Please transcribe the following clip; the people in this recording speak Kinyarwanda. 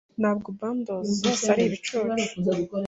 Ntabwo blondes zose ari ibicucu.